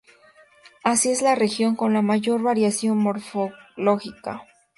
Asia es la región con la mayor variación morfológica.